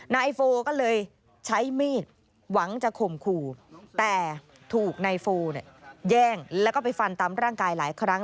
นายโฟก็เลยใช้มีดหวังจะข่มขู่แต่ถูกนายโฟเนี่ยแย่งแล้วก็ไปฟันตามร่างกายหลายครั้ง